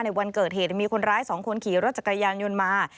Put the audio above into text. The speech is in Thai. วันเกิดเหตุมีคนร้าย๒คนขี่รถจักรยานยนต์มา